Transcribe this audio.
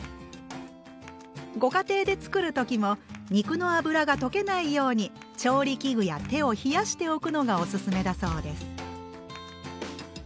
ご家庭で作る時も肉の脂が溶けないように調理器具や手を冷やしておくのがおすすめだそうです。